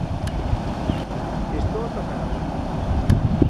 Estou ata o carallo.